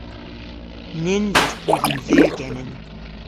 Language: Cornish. Nyns eus pluven dhu genen.